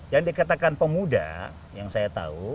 yang dikatakan pemuda yang saya tahu